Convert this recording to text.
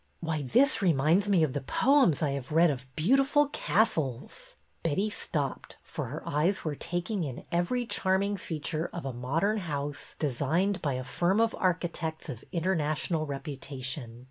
Why, this reminds me of the poems I have read of beautiful castles." Betty stopped, for her eyes were taking in every charming feature of a modern house designed by a firm of archi tects of international reputation.